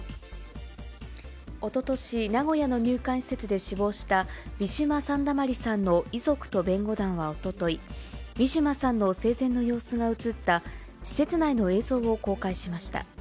おととし、名古屋の入管施設で死亡したウィシュマ・サンダマリさんの遺族と弁護団はおととい、ウィシュマさんの生前の様子が写った施設内の映像を公開しました。